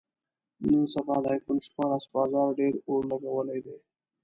نن سبا د ایفون شپاړس بازار ډېر اور لګولی دی.